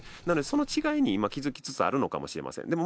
なので、その違いに今、気が付きつつあるのかもしれません。